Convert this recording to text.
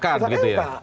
karena ada putusan mk